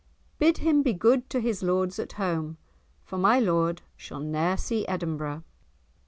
Bid him be good to his lords at home, for my lord shall ne'er see Edinburgh."